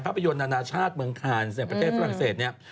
ภาพยนตร์อนาชาติเมืองทานประเทศฝรั่งเศสนี้